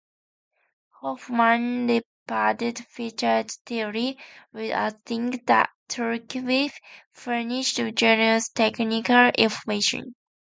Hoffman rebutted Fischer's theory, reasserting that Tolkachev furnished genuine technical information.